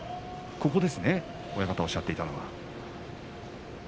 ここですね、親方がおっしゃっていたのは。